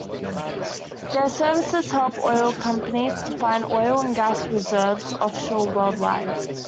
Their services help oil companies to find oil and gas reserves offshore worldwide.